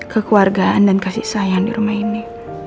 kekeluargaan dan kasih sayang di rumah ini